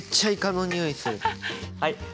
はい。